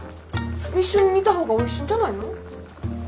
一緒に煮た方がおいしいんじゃないの？